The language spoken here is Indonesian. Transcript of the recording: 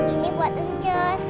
ini buat uncus